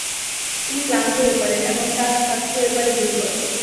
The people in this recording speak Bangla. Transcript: তিনি ক্লান্ত হয়ে পড়েন এবং তার স্বাস্থ্য হয়ে পড়ে দুর্বল।